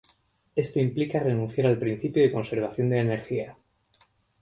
Esto implica renunciar al principio de conservación de la energía.